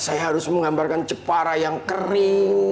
saya harus menggambarkan cepara yang kering